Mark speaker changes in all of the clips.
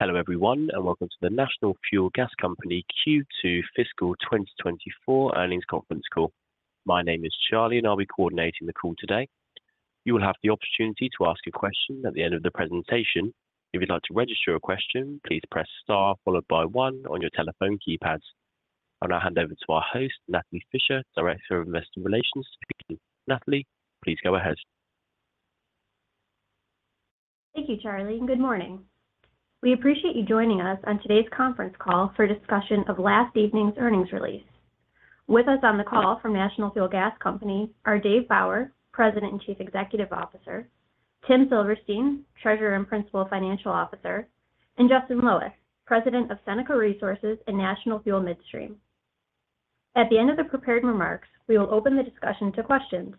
Speaker 1: Hello, everyone, and welcome to the National Fuel Gas Company Q2 Fiscal 2024 Earnings Conference Call. My name is Charlie, and I'll be coordinating the call today. You will have the opportunity to ask a question at the end of the presentation. If you'd like to register a question, please press star followed by one on your telephone keypads. I'll now hand over to our host, Natalie Fischer, Director of Investor Relations. Natalie, please go ahead.
Speaker 2: Thank you, Charlie, and good morning. We appreciate you joining us on today's conference call for a discussion of last evening's earnings release. With us on the call from National Fuel Gas Company are Dave Bauer, President and Chief Executive Officer, Tim Silverstein, Treasurer and Principal Financial Officer, and Justin Loweth, President of Seneca Resources and National Fuel Gas Midstream. At the end of the prepared remarks, we will open the discussion to questions.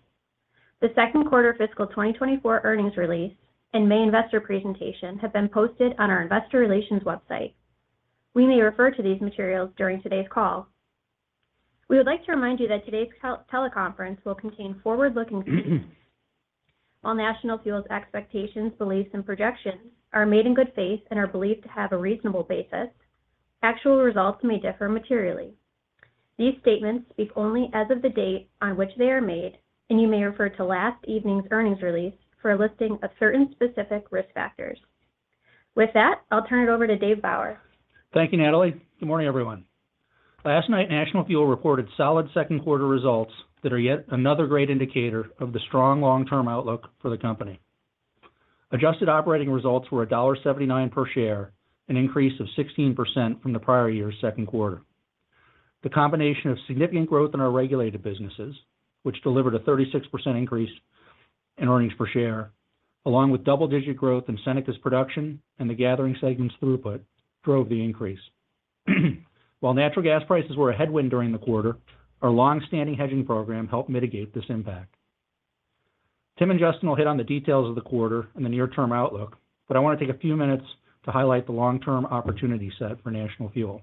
Speaker 2: The second quarter fiscal 2024 earnings release and May investor presentation have been posted on our investor relations website. We may refer to these materials during today's call. We would like to remind you that today's teleconference will contain forward-looking statements. While National Fuel's expectations, beliefs, and projections are made in good faith and are believed to have a reasonable basis, actual results may differ materially. These statements speak only as of the date on which they are made, and you may refer to last evening's earnings release for a listing of certain specific risk factors. With that, I'll turn it over to Dave Bauer.
Speaker 3: Thank you, Natalie. Good morning, everyone. Last night, National Fuel reported solid second quarter results that are yet another great indicator of the strong long-term outlook for the company. Adjusted operating results were $1.79 per share, an increase of 16% from the prior year's second quarter. The combination of significant growth in our regulated businesses, which delivered a 36% increase in earnings per share, along with double-digit growth in Seneca's production and the Gathering segment's throughput, drove the increase. While natural gas prices were a headwind during the quarter, our long-standing hedging program helped mitigate this impact. Tim and Justin will hit on the details of the quarter and the near-term outlook, but I want to take a few minutes to highlight the long-term opportunity set for National Fuel.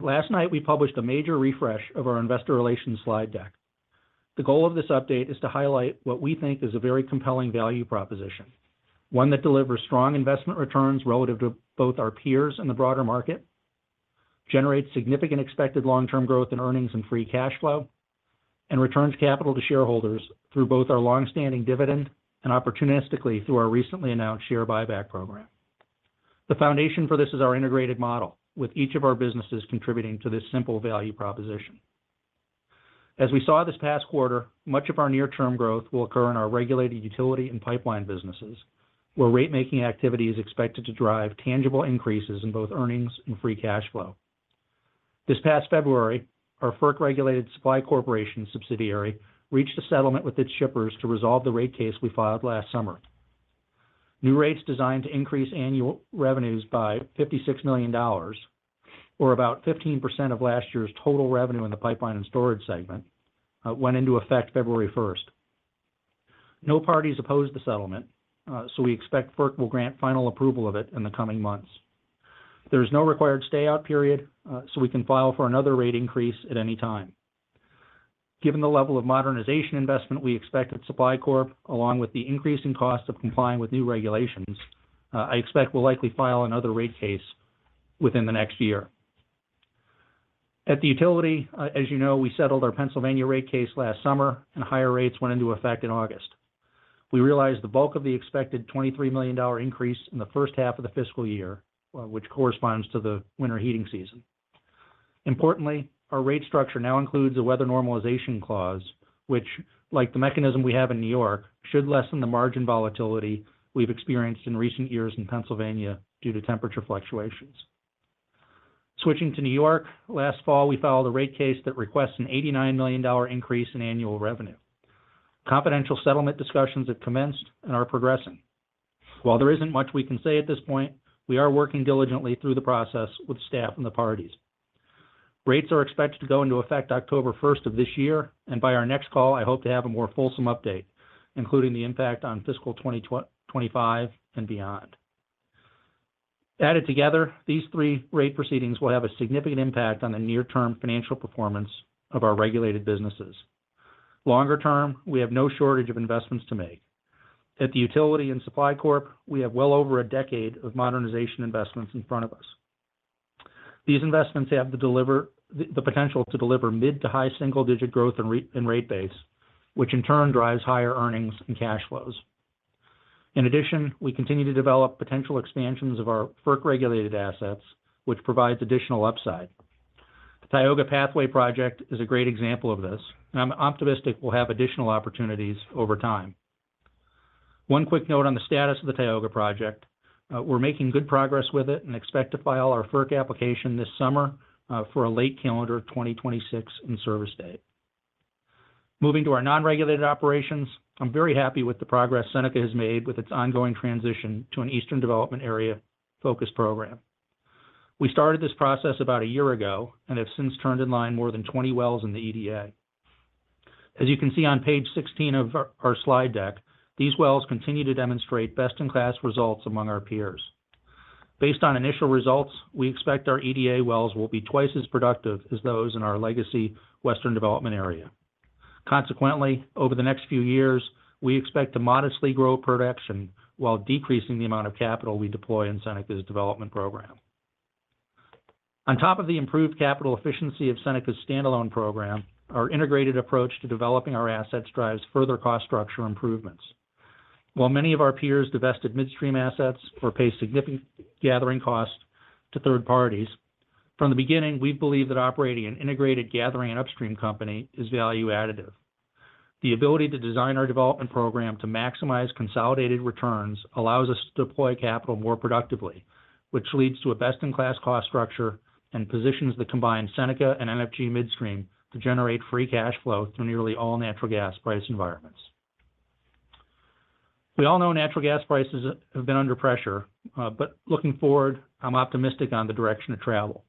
Speaker 3: Last night, we published a major refresh of our investor relations slide deck. The goal of this update is to highlight what we think is a very compelling value proposition, one that delivers strong investment returns relative to both our peers and the broader market, generates significant expected long-term growth in earnings and free cash flow, and returns capital to shareholders through both our long-standing dividend and opportunistically through our recently announced share buyback program. The foundation for this is our integrated model, with each of our businesses contributing to this simple value proposition. As we saw this past quarter, much of our near-term growth will occur in our regulated utility and pipeline businesses, where rate-making activity is expected to drive tangible increases in both earnings and free cash flow. This past February, our FERC-regulated Supply Corporation subsidiary reached a settlement with its shippers to resolve the rate case we filed last summer. New rates designed to increase annual revenues by $56 million, or about 15% of last year's total revenue in the Pipeline and Storage segment, went into effect February 1st. No parties opposed the settlement, so we expect FERC will grant final approval of it in the coming months. There is no required stay-out period, so we can file for another rate increase at any time. Given the level of modernization investment we expect at Supply Corp., along with the increasing cost of complying with new regulations, I expect we'll likely file another rate case within the next year. At the utility, as you know, we settled our Pennsylvania rate case last summer, and higher rates went into effect in August. We realized the bulk of the expected $23 million increase in the first half of the fiscal year, which corresponds to the winter heating season. Importantly, our rate structure now includes a weather normalization clause, which, like the mechanism we have in New York, should lessen the margin volatility we've experienced in recent years in Pennsylvania due to temperature fluctuations. Switching to New York, last fall, we filed a rate case that requests an $89 million increase in annual revenue. Confidential settlement discussions have commenced and are progressing. While there isn't much we can say at this point, we are working diligently through the process with staff and the parties. Rates are expected to go into effect October 1st of this year, and by our next call, I hope to have a more fulsome update, including the impact on fiscal 2025 and beyond. Added together, these three rate proceedings will have a significant impact on the near-term financial performance of our regulated businesses. Longer term, we have no shortage of investments to make. At the Utility and Supply Corp., we have well over a decade of modernization investments in front of us. These investments have the potential to deliver mid- to high single-digit growth in rate base, which in turn drives higher earnings and cash flows. In addition, we continue to develop potential expansions of our FERC-regulated assets, which provides additional upside. The Tioga Pathway Project is a great example of this, and I'm optimistic we'll have additional opportunities over time. One quick note on the status of the Tioga project. We're making good progress with it and expect to file our FERC application this summer, for a late calendar 2026 in-service date. Moving to our non-regulated operations, I'm very happy with the progress Seneca has made with its ongoing transition to an Eastern Development Area-focused program. We started this process about a year ago and have since turned in line more than 20 wells in the EDA. As you can see on page 16 of our slide deck, these wells continue to demonstrate best-in-class results among our peers. Based on initial results, we expect our EDA wells will be twice as productive as those in our legacy Western Development Area. Consequently, over the next few years, we expect to modestly grow production while decreasing the amount of capital we deploy in Seneca's development program. On top of the improved capital efficiency of Seneca's standalone program, our integrated approach to developing our assets drives further cost structure improvements. While many of our peers divested midstream assets or pay significant gathering costs to third parties, from the beginning, we believe that operating an integrated gathering and upstream company is value additive. The ability to design our development program to maximize consolidated returns allows us to deploy capital more productively, which leads to a best-in-class cost structure and positions the combined Seneca and NFG midstream to generate free cash flow through nearly all natural gas price environments. We all know natural gas prices have been under pressure, but looking forward, I'm optimistic on the direction of travel.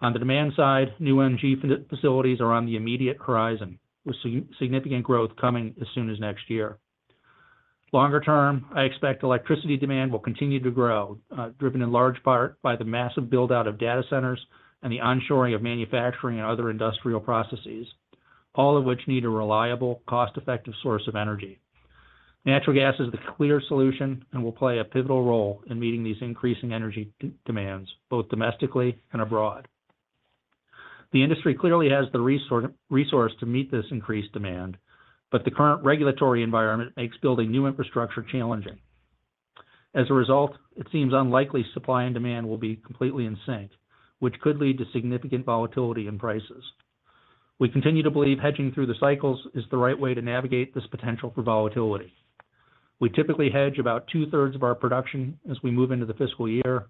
Speaker 3: On the demand side, new LNG facilities are on the immediate horizon, with significant growth coming as soon as next year. Longer term, I expect electricity demand will continue to grow, driven in large part by the massive build-out of data centers and the onshoring of manufacturing and other industrial processes, all of which need a reliable, cost-effective source of energy. Natural gas is the clear solution and will play a pivotal role in meeting these increasing energy demands, both domestically and abroad. The industry clearly has the resources to meet this increased demand, but the current regulatory environment makes building new infrastructure challenging. As a result, it seems unlikely supply and demand will be completely in sync, which could lead to significant volatility in prices. We continue to believe hedging through the cycles is the right way to navigate this potential for volatility. We typically hedge about 2/3 of our production as we move into the fiscal year,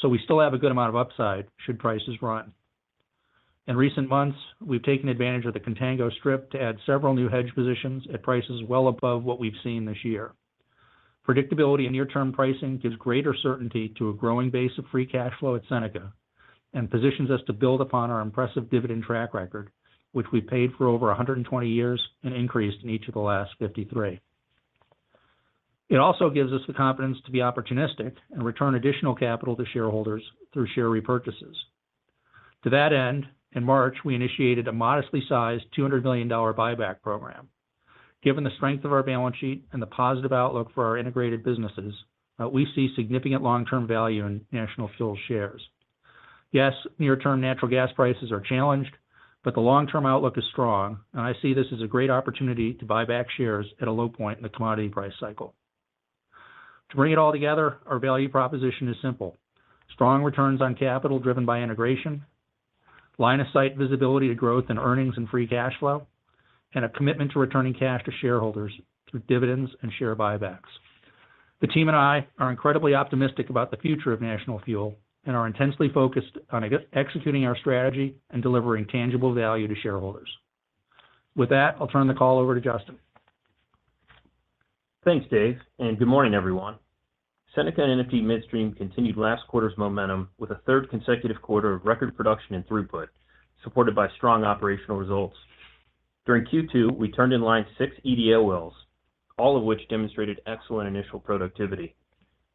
Speaker 3: so we still have a good amount of upside should prices run. In recent months, we've taken advantage of the contango strip to add several new hedge positions at prices well above what we've seen this year. Predictability in near-term pricing gives greater certainty to a growing base of free cash flow at Seneca, and positions us to build upon our impressive dividend track record, which we paid for over 120 years and increased in each of the last 53. It also gives us the confidence to be opportunistic and return additional capital to shareholders through share repurchases. To that end, in March, we initiated a modestly sized $200 million buyback program. Given the strength of our balance sheet and the positive outlook for our integrated businesses, we see significant long-term value in National Fuel shares. Yes, near-term natural gas prices are challenged, but the long-term outlook is strong, and I see this as a great opportunity to buy back shares at a low point in the commodity price cycle. To bring it all together, our value proposition is simple: strong returns on capital driven by integration, line-of-sight visibility to growth in earnings and free cash flow, and a commitment to returning cash to shareholders through dividends and share buybacks. The team and I are incredibly optimistic about the future of National Fuel and are intensely focused on executing our strategy and delivering tangible value to shareholders. With that, I'll turn the call over to Justin.
Speaker 4: Thanks, Dave, and good morning, everyone. Seneca and NFG Midstream continued last quarter's momentum with a third consecutive quarter of record production and throughput, supported by strong operational results. During Q2, we turned in line six EDA wells, all of which demonstrated excellent initial productivity.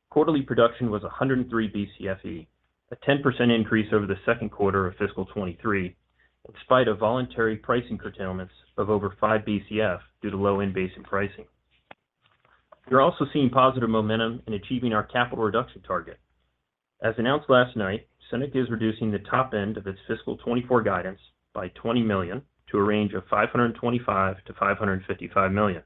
Speaker 4: Quarterly production was 103 Bcfe, a 10% increase over the second quarter of fiscal 2023, in spite of voluntary pricing curtailments of over five Bcf due to low in-basin pricing. We're also seeing positive momentum in achieving our capital reduction target. As announced last night, Seneca is reducing the top end of its fiscal 2024 guidance by $20 million to a range of $525 million-$555 million.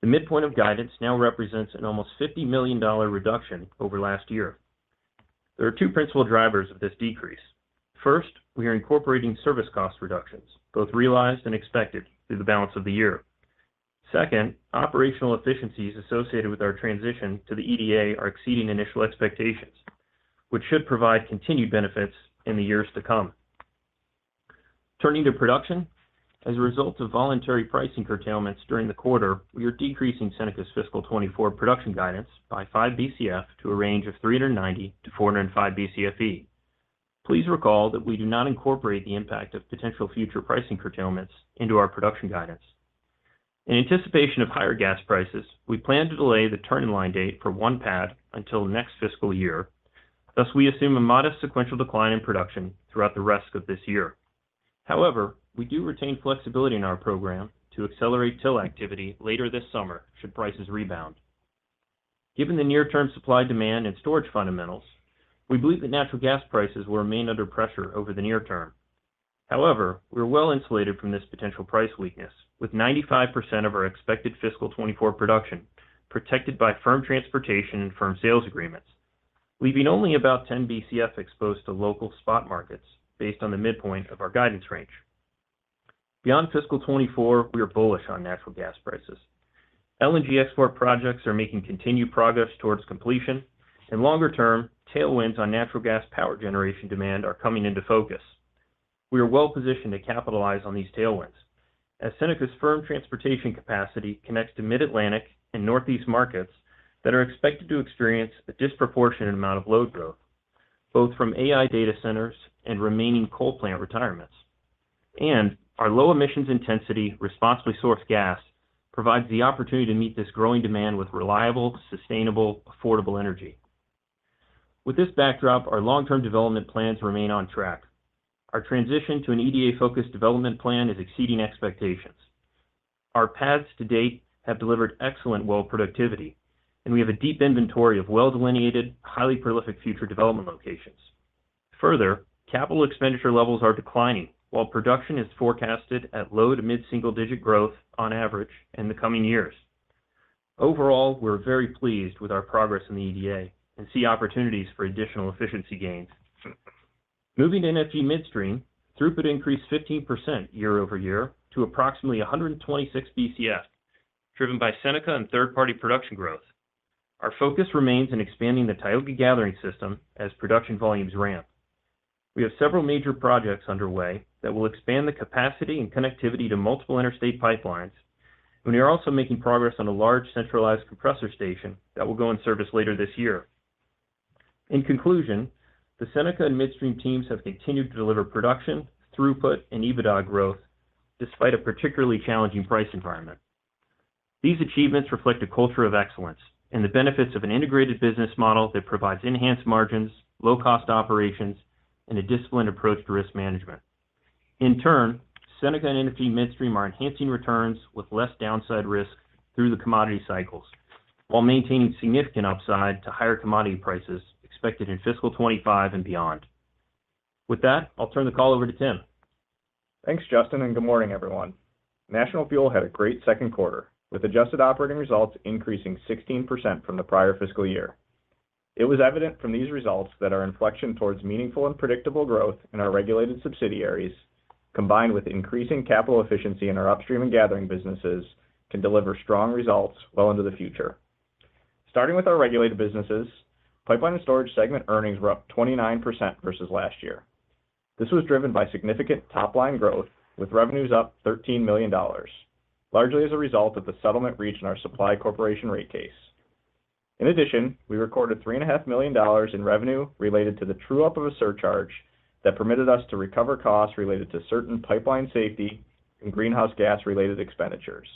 Speaker 4: The midpoint of guidance now represents an almost $50 million reduction over last year. There are two principal drivers of this decrease. First, we are incorporating service cost reductions, both realized and expected, through the balance of the year. Second, operational efficiencies associated with our transition to the EDA are exceeding initial expectations, which should provide continued benefits in the years to come. Turning to production. As a result of voluntary pricing curtailments during the quarter, we are decreasing Seneca's fiscal 2024 production guidance by five Bcf to a range of 390 Bcfe-405 Bcfe. Please recall that we do not incorporate the impact of potential future pricing curtailments into our production guidance. In anticipation of higher gas prices, we plan to delay the turn-in-line date for one pad until next fiscal year. Thus, we assume a modest sequential decline in production throughout the rest of this year. However, we do retain flexibility in our program to accelerate till activity later this summer should prices rebound. Given the near-term supply, demand, and storage fundamentals, we believe that natural gas prices will remain under pressure over the near term. However, we are well insulated from this potential price weakness, with 95% of our expected fiscal 2024 production protected by firm transportation and firm sales agreements, leaving only about 10 Bcf exposed to local spot markets based on the midpoint of our guidance range. Beyond fiscal 2024, we are bullish on natural gas prices. LNG export projects are making continued progress towards completion, and longer-term, tailwinds on natural gas power generation demand are coming into focus. We are well positioned to capitalize on these tailwinds as Seneca's firm transportation capacity connects to Mid-Atlantic and Northeast markets that are expected to experience a disproportionate amount of load growth, both from AI data centers and remaining coal plant retirements. Our low emissions intensity, responsibly sourced gas, provides the opportunity to meet this growing demand with reliable, sustainable, affordable energy. With this backdrop, our long-term development plans remain on track. Our transition to an EDA-focused development plan is exceeding expectations. Our pads to date have delivered excellent well productivity, and we have a deep inventory of well-delineated, highly prolific future development locations. Further, capital expenditure levels are declining, while production is forecasted at low to mid-single-digit growth on average in the coming years. Overall, we're very pleased with our progress in the EDA and see opportunities for additional efficiency gains. Moving to NFG Midstream, throughput increased 15% year-over-year to approximately 126 Bcf, driven by Seneca and third-party production growth. Our focus remains in expanding the Tioga Gathering System as production volumes ramp. We have several major projects underway that will expand the capacity and connectivity to multiple interstate pipelines, and we are also making progress on a large centralized compressor station that will go in service later this year. In conclusion, the Seneca and Midstream teams have continued to deliver production, throughput, and EBITDA growth despite a particularly challenging price environment. These achievements reflect a culture of excellence and the benefits of an integrated business model that provides enhanced margins, low-cost operations, and a disciplined approach to risk management. In turn, Seneca and NFG Midstream are enhancing returns with less downside risk through the commodity cycles, while maintaining significant upside to higher commodity prices expected in fiscal 2025 and beyond. With that, I'll turn the call over to Tim.
Speaker 5: Thanks, Justin, and good morning, everyone. National Fuel had a great second quarter, with Adjusted Operating Results increasing 16% from the prior fiscal year. It was evident from these results that our inflection towards meaningful and predictable growth in our regulated subsidiaries, combined with increasing capital efficiency in our upstream and gathering businesses, can deliver strong results well into the future. starting with our regulated businesses, Pipeline and Storage segment earnings were up 29% versus last year. This was driven by significant top-line growth, with revenues up $13 million, largely as a result of the settlement reached in our Supply Corporation rate case. In addition, we recorded $3.5 million in revenue related to the true-up of a surcharge that permitted us to recover costs related to certain pipeline safety and greenhouse gas-related expenditures.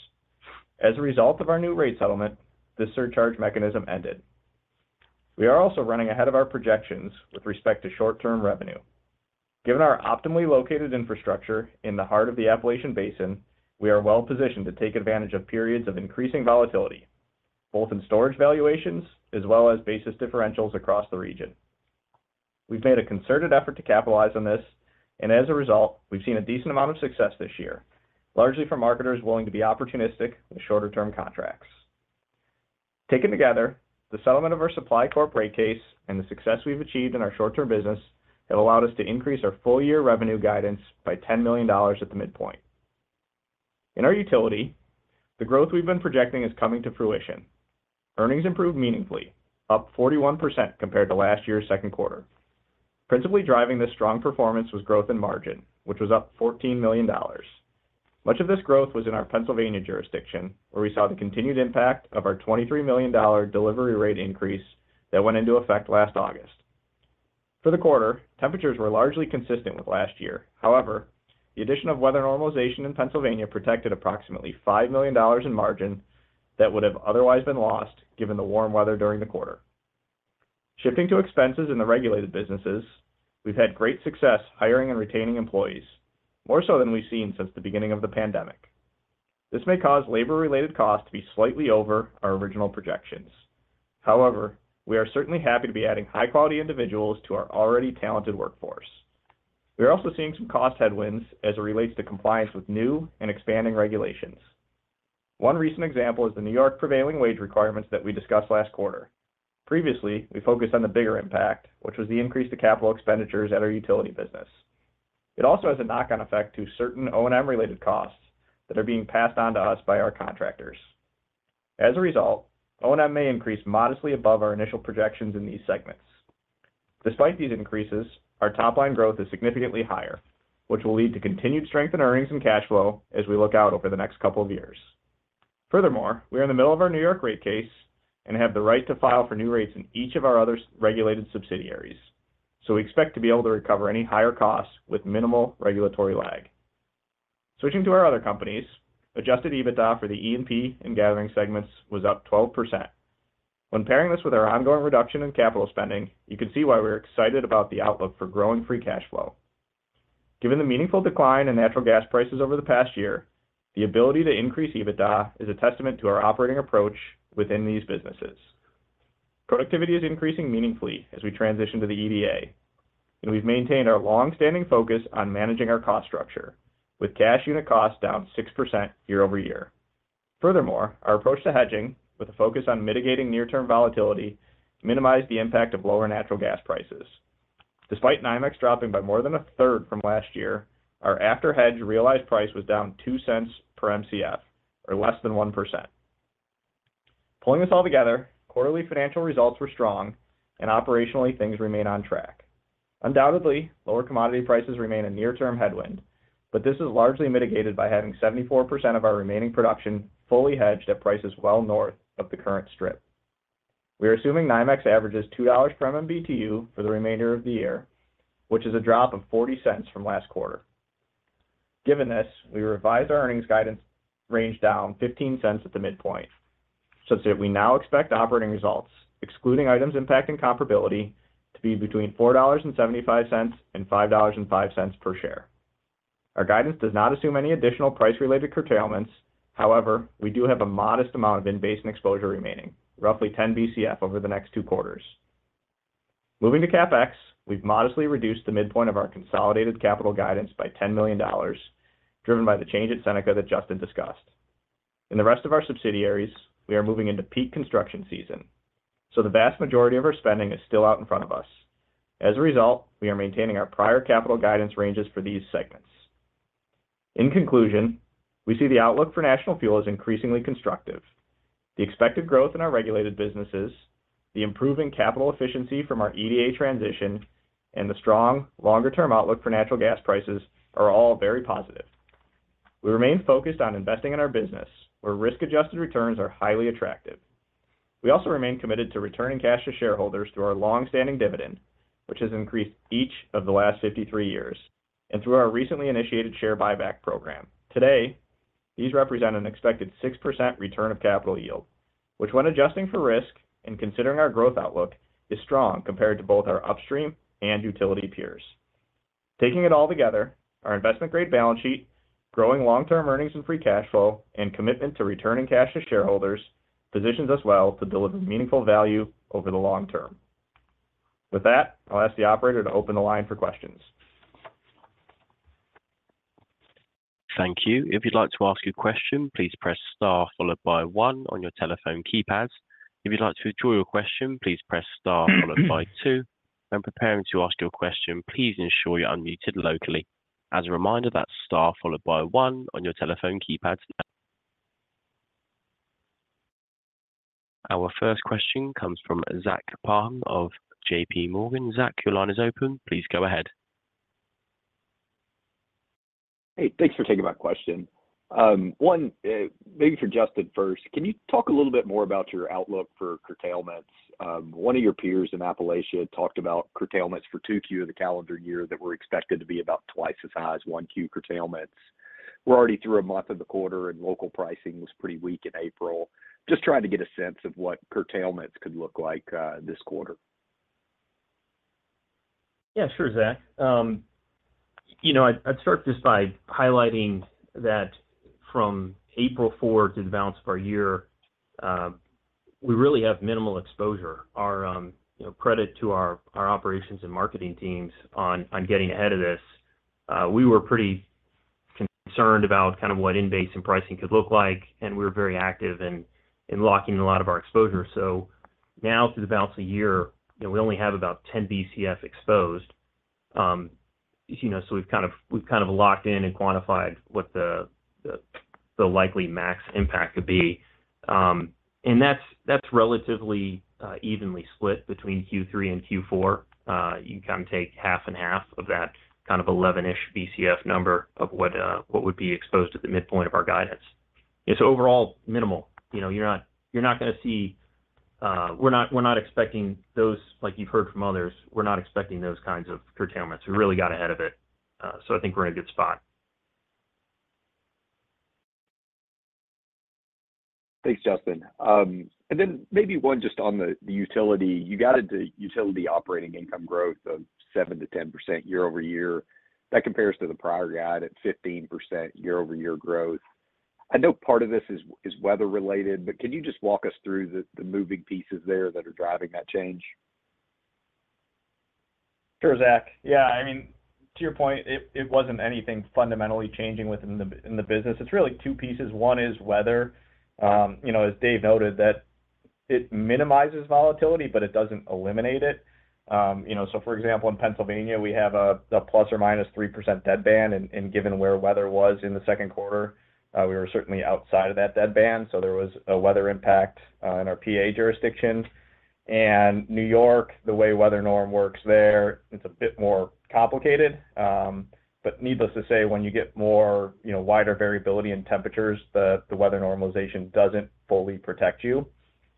Speaker 5: As a result of our new rate settlement, this surcharge mechanism ended. We are also running ahead of our projections with respect to short-term revenue. Given our optimally located infrastructure in the heart of the Appalachian Basin, we are well positioned to take advantage of periods of increasing volatility, both in storage valuations as well as basis differentials across the region. We've made a concerted effort to capitalize on this, and as a result, we've seen a decent amount of success this year, largely from marketers willing to be opportunistic with shorter-term contracts. Taken together, the settlement of our Supply Corp. rate case and the success we've achieved in our short-term business have allowed us to increase our full-year revenue guidance by $10 million at the midpoint. In our utility, the growth we've been projecting is coming to fruition. Earnings improved meaningfully, up 41% compared to last year's second quarter. Principally driving this strong performance was growth in margin, which was up $14 million. Much of this growth was in our Pennsylvania jurisdiction, where we saw the continued impact of our $23 million delivery rate increase that went into effect last August. For the quarter, temperatures were largely consistent with last year. However, the addition of weather normalization in Pennsylvania protected approximately $5 million in margin that would have otherwise been lost, given the warm weather during the quarter. Shifting to expenses in the regulated businesses, we've had great success hiring and retaining employees, more so than we've seen since the beginning of the pandemic. This may cause labor-related costs to be slightly over our original projections. However, we are certainly happy to be adding high-quality individuals to our already talented workforce. We are also seeing some cost headwinds as it relates to compliance with new and expanding regulations. One recent example is the New York prevailing wage requirements that we discussed last quarter. Previously, we focused on the bigger impact, which was the increase to capital expenditures at our utility business. It also has a knock-on effect to certain O&M-related costs that are being passed on to us by our contractors. As a result, O&M may increase modestly above our initial projections in these segments. Despite these increases, our top-line growth is significantly higher, which will lead to continued strength in earnings and cash flow as we look out over the next couple of years. Furthermore, we are in the middle of our New York rate case and have the right to file for new rates in each of our other regulated subsidiaries. So we expect to be able to recover any higher costs with minimal regulatory lag. Switching to our other companies, adjusted EBITDA for the E&P and Gathering segments was up 12%. When pairing this with our ongoing reduction in capital spending, you can see why we're excited about the outlook for growing free cash flow. Given the meaningful decline in natural gas prices over the past year, the ability to increase EBITDA is a testament to our operating approach within these businesses. Productivity is increasing meaningfully as we transition to the EDA, and we've maintained our long-standing focus on managing our cost structure, with cash unit costs down 6% year-over-year. Furthermore, our approach to hedging, with a focus on mitigating near-term volatility, minimized the impact of lower natural gas prices. Despite NYMEX dropping by more than a third from last year, our after-hedge realized price was down $0.02 per Mcf, or less than 1%. Pulling this all together, quarterly financial results were strong, and operationally, things remain on track. Undoubtedly, lower commodity prices remain a near-term headwind, but this is largely mitigated by having 74% of our remaining production fully hedged at prices well north of the current strip. We are assuming NYMEX averages $2 per MMBtu for the remainder of the year, which is a drop of $0.40 from last quarter. Given this, we revised our earnings guidance range down $0.15 at the midpoint, such that we now expect operating results, excluding items impacting comparability, to be between $4.75 and $5.05 per share. Our guidance does not assume any additional price-related curtailments. However, we do have a modest amount of in-basin exposure remaining, roughly 10 Bcf over the next two quarters. Moving to CapEx, we've modestly reduced the midpoint of our consolidated capital guidance by $10 million, driven by the change at Seneca that Justin discussed. In the rest of our subsidiaries, we are moving into peak construction season, so the vast majority of our spending is still out in front of us. As a result, we are maintaining our prior capital guidance ranges for these segments. In conclusion, we see the outlook for National Fuel as increasingly constructive. The expected growth in our regulated businesses, the improving capital efficiency from our EDA transition, and the strong longer-term outlook for natural gas prices are all very positive. We remain focused on investing in our business, where risk-adjusted returns are highly attractive. We also remain committed to returning cash to shareholders through our long-standing dividend, which has increased each of the last 53 years, and through our recently initiated share buyback program. Today, these represent an expected 6% return of capital yield, which, when adjusting for risk and considering our growth outlook, is strong compared to both our upstream and utility peers. Taking it all together, our investment-grade balance sheet, growing long-term earnings and free cash flow, and commitment to returning cash to shareholders positions us well to deliver meaningful value over the long term. With that, I'll ask the operator to open the line for questions.
Speaker 1: Thank you. If you'd like to ask a question, please press star followed by one on your telephone keypad. If you'd like to withdraw your question, please press star followed by two. When preparing to ask your question, please ensure you're unmuted locally. As a reminder, that's star followed by one on your telephone keypad. Our first question comes from Zach Parham of JPMorgan. Zach, your line is open. Please go ahead.
Speaker 6: Hey, thanks for taking my question. Maybe for Justin first, can you talk a little bit more about your outlook for curtailments? One of your peers in Appalachia talked about curtailments for 2Q of the calendar year that were expected to be about twice as high as 1Q curtailments. We're already through a month of the quarter, and local pricing was pretty weak in April. Just trying to get a sense of what curtailments could look like, this quarter.
Speaker 4: Yeah, sure, Zach. You know, I'd, I'd start just by highlighting that from April 4th through the balance of our year, we really have minimal exposure. Our, you know, credit to our, our operations and marketing teams on, on getting ahead of this. We were pretty concerned about kind of what in-basin pricing could look like, and we were very active in, in locking a lot of our exposure. So now through the balance of the year, you know, we only have about 10 Bcf exposed. You know, so we've kind of, we've kind of locked in and quantified what the, the, the likely max impact could be. And that's, that's relatively, evenly split between Q3 and Q4. You can kind of take half and half of that kind of 11-ish Bcf number of what would be exposed at the midpoint of our guidance. It's overall minimal. You know, you're not-- you're not gonna see, we're not, we're not expecting those like you've heard from others. We're not expecting those kinds of curtailments. We really got ahead of it, so I think we're in a good spot.
Speaker 6: Thanks, Justin. And then maybe one just on the utility. You guided the utility operating income growth of 7%-10% year-over-year. That compares to the prior guide at 15% year-over-year growth. I know part of this is weather related, but can you just walk us through the moving pieces there that are driving that change?
Speaker 5: Sure, Zach. Yeah, I mean, to your point, it, it wasn't anything fundamentally changing within the, in the business. It's really two pieces. One is weather. You know, as Dave noted, that it minimizes volatility, but it doesn't eliminate it. You know, so for example, in Pennsylvania, we have a, a ±3% deadband, and, and given where weather was in the second quarter, we were certainly outside of that deadband, so there was a weather impact in our PA jurisdiction. And New York, the way weather norm works there, it's a bit more complicated, but needless to say, when you get more, you know, wider variability in temperatures, the, the weather normalization doesn't fully protect you.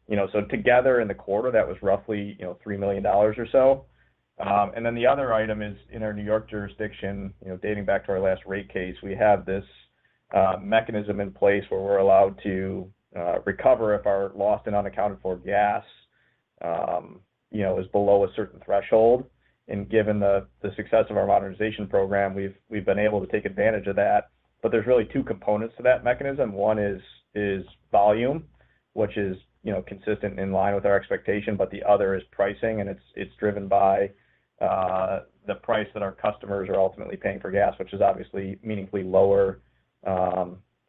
Speaker 5: You know, so together in the quarter, that was roughly, you know, $3 million or so. And then the other item is in our New York jurisdiction, you know, dating back to our last rate case, we have this, mechanism in place where we're allowed to, recover if our lost and unaccounted for gas, you know, is below a certain threshold. And given the success of our modernization program, we've been able to take advantage of that. But there's really two components to that mechanism. One is volume, which is, you know, consistent in line with our expectation, but the other is pricing, and it's driven by, the price that our customers are ultimately paying for gas, which is obviously meaningfully lower,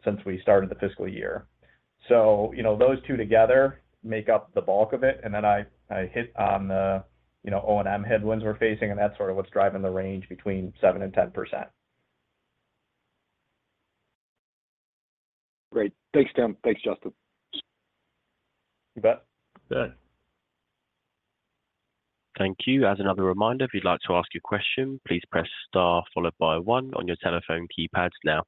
Speaker 5: since we started the fiscal year. So, you know, those two together make up the bulk of it, and then I hit on the, you know, O&M headwinds we're facing, and that's sort of what's driving the range between 7% and 10%.
Speaker 6: Great. Thanks, Tim. Thanks, Justin.
Speaker 5: You bet.
Speaker 1: Yeah. Thank you. As another reminder, if you'd like to ask a question, please press star followed by one on your telephone keypad now.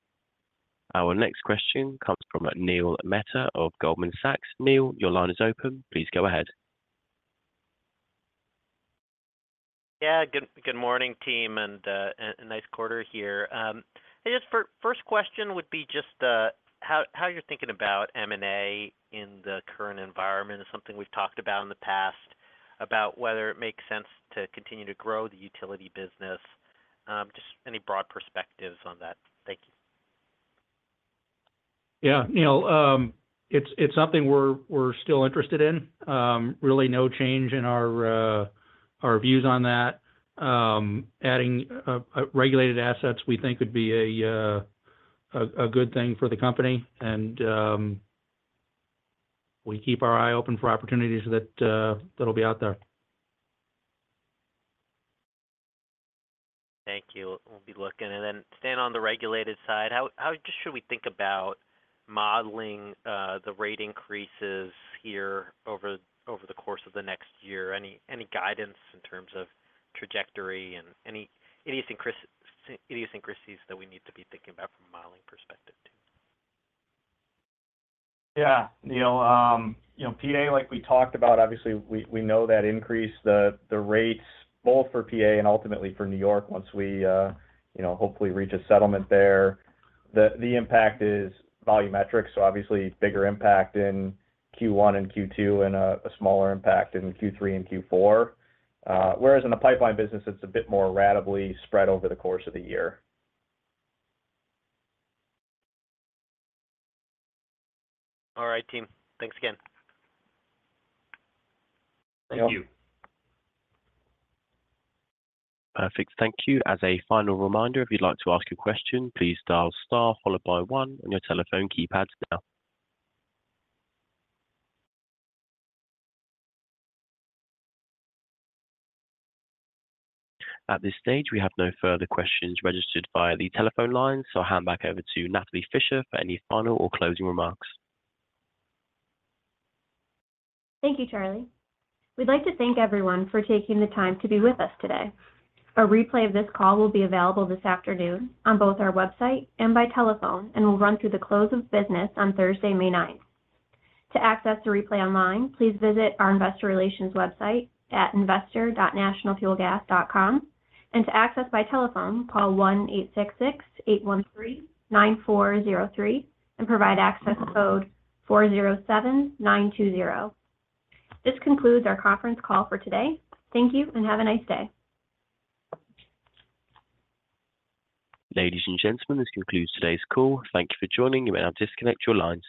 Speaker 1: Our next question comes from Neil Mehta of Goldman Sachs. Neil, your line is open. Please go ahead.
Speaker 7: Yeah. Good morning, team, and a nice quarter here. First question would be just how you're thinking about M&A in the current environment? It's something we've talked about in the past, about whether it makes sense to continue to grow the utility business. Just any broad perspectives on that? Thank you.
Speaker 3: Yeah, Neil, it's something we're still interested in. Really no change in our views on that. Adding regulated assets, we think would be a good thing for the company, and we keep our eye open for opportunities that'll be out there.
Speaker 7: Thank you. We'll be looking. And then staying on the regulated side, how should we think about modeling the rate increases here over the course of the next year? Any guidance in terms of trajectory and any idiosyncrasies that we need to be thinking about from a modeling perspective, too?
Speaker 5: Yeah, Neil. You know, PA, like we talked about, obviously, we know that increase the rates both for PA and ultimately for New York once we, you know, hopefully reach a settlement there. The impact is volumetric, so obviously bigger impact in Q1 and Q2 and a smaller impact in Q3 and Q4. Whereas in the pipeline business, it's a bit more ratably spread over the course of the year.
Speaker 7: All right, team. Thanks again.
Speaker 3: Thank you.
Speaker 1: Perfect. Thank you. As a final reminder, if you'd like to ask a question, please dial star followed by one on your telephone keypads now. At this stage, we have no further questions registered via the telephone lines, so I'll hand back over to Natalie Fischer for any final or closing remarks.
Speaker 2: Thank you, Charlie. We'd like to thank everyone for taking the time to be with us today. A replay of this call will be available this afternoon on both our website and by telephone, and will run through the close of business on Thursday, May 9. To access the replay online, please visit our investor relations website at investor.nationalfuelgas.com, and to access by telephone, call 1-866-813-9403 and provide access code 407920. This concludes our conference call for today. Thank you and have a nice day.
Speaker 1: Ladies and gentlemen, this concludes today's call. Thank you for joining. You may now disconnect your lines.